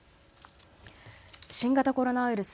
新型コロナウイルス。